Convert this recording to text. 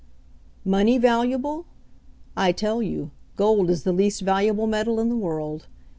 "Money valuable ? I tell you, gold is the least valuable metal in the world.